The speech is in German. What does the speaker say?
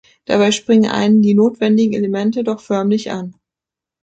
Dabei springen einen die notwendigen Elemente doch förmlich an.